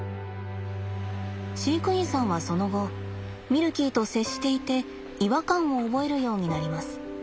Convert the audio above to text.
飼育員さんはその後ミルキーと接していて違和感を覚えるようになります。